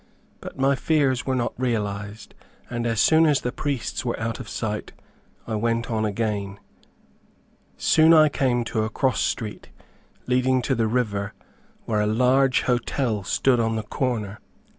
But my fears were not realized, and as soon as the priests were out of sight, I went on again. Soon I came to a cross street, leading to the river, where a large hotel stood on the corner.